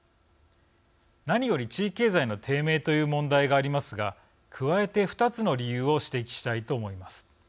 何より地域経済の低迷という問題がありますが加えて２つの理由を指摘したいと思います。